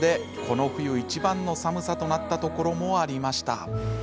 この冬いちばんの寒さになったところもありました。